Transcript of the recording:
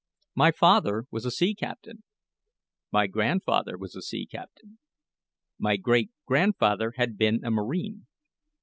My father was a sea captain; my grandfather was a sea captain; my great grandfather had been a marine.